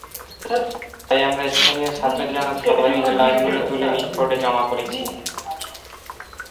তাই আমরা স্থানীয় ছাত্র-জনতা সবাই মিলে লাশগুলো তুলে মিটফোর্ডে জমা করেছি।